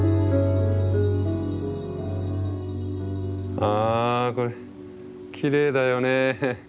あこれきれいだよね。